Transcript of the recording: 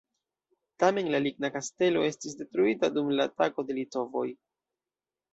Tamen la ligna kastelo estis detruita dum la atako de litovoj.